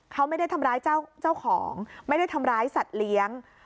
เขาไม่ได้ทำร้ายเจ้าของไม่ได้ทำร้ายสัตว์เลี้ยง